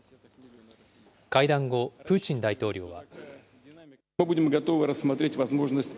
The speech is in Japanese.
会談後、プーチン大統領は。